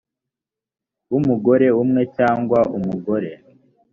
w umugore umwe cyangwa umugore